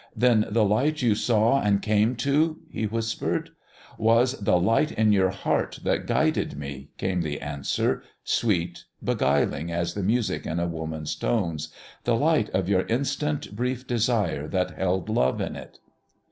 "Then the light you saw, and came to ?" he whispered. "Was the light in your heart that guided me," came the answer, sweet, beguiling as the music in a woman's tones, "the light of your instant, brief desire that held love in it."